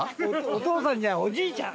お父さんじゃないおじいちゃん。